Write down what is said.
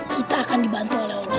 kita akan dibantu oleh allah